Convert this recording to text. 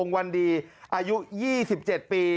วันดีอายุ๒๗ปี